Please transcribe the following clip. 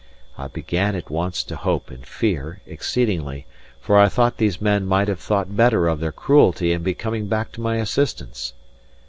I began at once to hope and fear exceedingly; for I thought these men might have thought better of their cruelty and be coming back to my assistance.